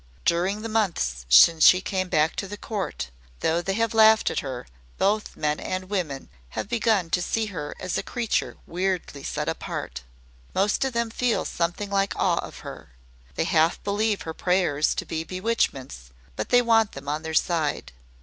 During the months since she came back to the court though they have laughed at her both men and women have begun to see her as a creature weirdly set apart. Most of them feel something like awe of her; they half believe her prayers to be bewitchments, but they want them on their side.